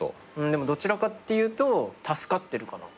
でもどちらかっていうと助かってるかな。